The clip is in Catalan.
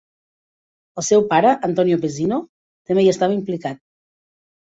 El seu pare, Antonino Pezzino, també hi estava implicat.